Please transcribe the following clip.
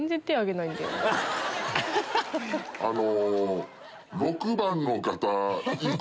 あの。